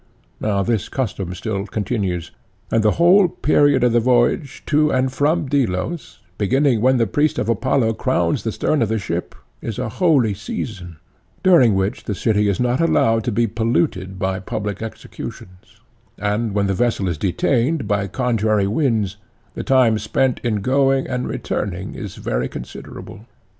Now this custom still continues, and the whole period of the voyage to and from Delos, beginning when the priest of Apollo crowns the stern of the ship, is a holy season, during which the city is not allowed to be polluted by public executions; and when the vessel is detained by contrary winds, the time spent in going and returning is very considerable.